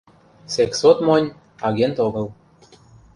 Сексот монь, агент огыл».